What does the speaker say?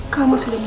kamu siapa itu